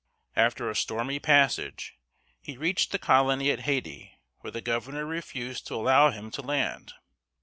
After a stormy passage, he reached the colony at Haiti, where the governor refused to allow him to land.